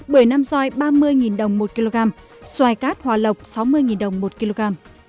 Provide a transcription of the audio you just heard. bưởi nam xoài ba mươi đồng một kg xoài cát hòa lộc sáu mươi đồng một kg